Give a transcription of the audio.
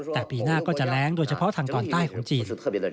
แต่ปีหน้าก็จะแรงโดยเฉพาะทางตอนใต้ของจีน